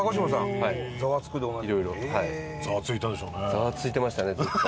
ザワついてましたねずっと。